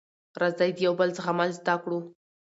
راځی د یوبل زغمل زده کړو